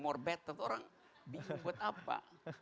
more better tuh orang bingung buat apa